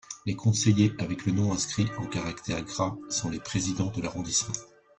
Les conseillers avec le nom inscrit en caractères gras sont les présidents de l'arrondissement.